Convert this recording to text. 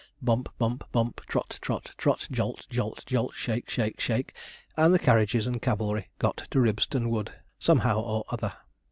Bump, bump, bump; trot, trot, trot; jolt, jolt, jolt; shake, shake, shake; and carriages and cavalry got to Ribston Wood somehow or other.